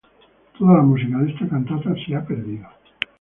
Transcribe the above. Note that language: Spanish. Toda la música de esta cantata se ha perdido.